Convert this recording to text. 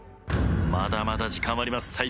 まだまだ時間はあります